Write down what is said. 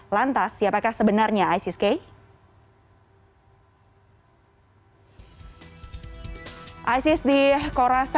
lantas siapakah sebenarnya isis ksis